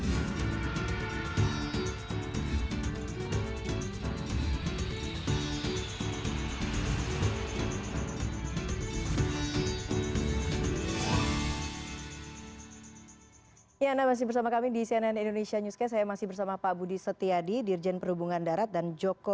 sampai jumpa di video selanjutnya